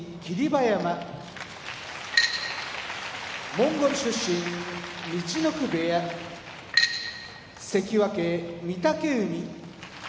馬山モンゴル出身陸奥部屋関脇・御嶽海